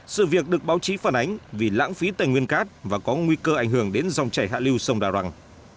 sự việc được báo chí phản ánh vì lãng phí tài nguyên cát và có nguy cơ ảnh hưởng đến dòng chảy hạ lưu sông đà răng